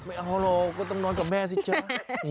ไม่เอาหรอกก็ต้องนอนกับแม่สิจ๊ะ